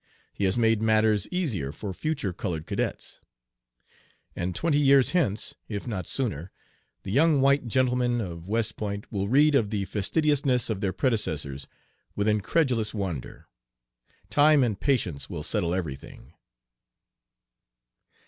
He has made matters easier for future colored cadets; and twenty years hence, if not sooner, the young white gentlemen of West Point will read of the fastidiousness of their predecessors with incredulous wonder. Time and patience will settle every thing."